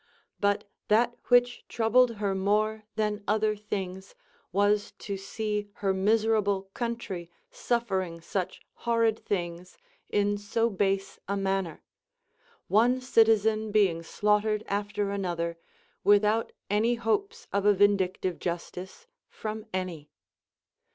But that which troubled her more than other things was to see her miserable country suffer ing such horrid things in so base a manner ; one citizen being slaughtered after another, without any hopes of a vindictive justice from any.